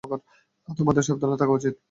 তোমাদের সাবধানে থাকা উচিত।